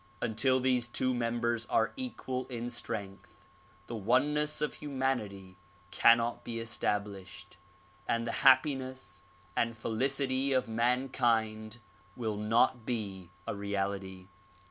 Until these two members are equal in strength, the oneness of humanity cannot be established and the happiness and felicity of mankind will not be a reality.